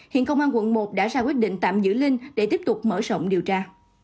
hiện công an quận một đã ra quyết định tạm giữ linh để tiếp tục mở rộng điều tra